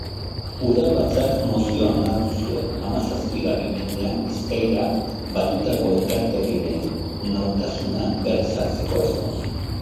Udalbatzak mozioa onartu zuen, hamazazpigarren mendean Bizkaira batutako Enkarterriren nortasuna berrezartzeko asmoz.